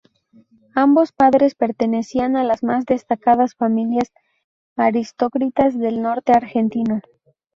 Ambos padres pertenecían a las más destacadas familias aristocráticas del norte argentino.